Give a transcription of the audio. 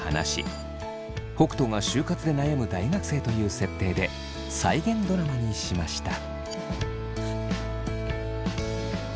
北斗が就活で悩む大学生という設定で再現ドラマにしました。